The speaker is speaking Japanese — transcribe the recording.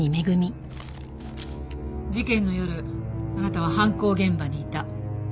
事件の夜あなたは犯行現場にいた。